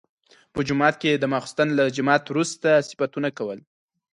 په جومات کې د ماخستن له جماعت وروسته صفتونه کول.